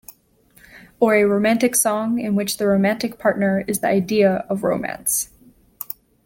Or a romantic song in which the romantic partner is the idea of romance.